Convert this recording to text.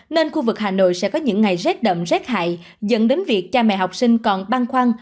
nên khu vực hà nội sẽ có những ngày rét đậm rét hại dẫn đến việc cha mẹ học sinh còn băng khoăn